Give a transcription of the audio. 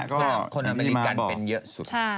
คนอเมริกันเป็นเยอะสุด